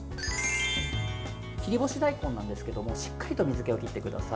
切り干し大根なんですけどもしっかりと水けを切ってください。